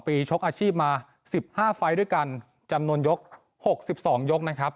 ปีชกอาชีพมาสิบห้าด้วยกันจำนวนยกหกสิบสองยกนะครับ